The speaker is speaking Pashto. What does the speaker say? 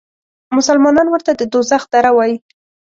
مسلمانان ورته د دوزخ دره وایي.